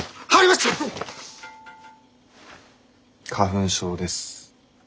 花粉症です。